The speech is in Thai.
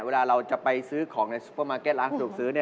เวลาเราจะไปซื้อของในซูปเมอร์เก็ตราคาดูกซื้อ